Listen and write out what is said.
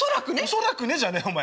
恐らくねじゃねえお前。